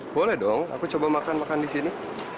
boleh dong aku coba makan makan disini